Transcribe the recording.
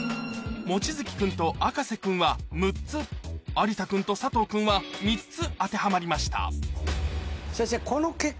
望月君とあかせ君は６つ有田君と佐藤君は３つ当てはまりました先生。